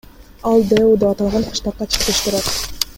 Ал ДЭУ деп аталган кыштакка чектеш турат.